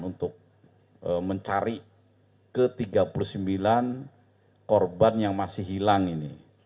untuk mencari ke tiga puluh sembilan korban yang masih hilang ini